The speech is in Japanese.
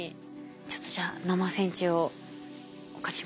ちょっとじゃあ生線虫をお借りします。